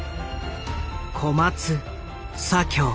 小松左京。